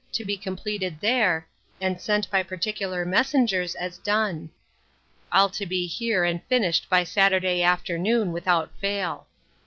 to be completed there, and sent by particular messengers, as done. All to be here, and finished by Saturday afternoon, without fail.